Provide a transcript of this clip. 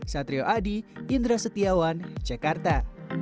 satrio adi indra setiawan jakarta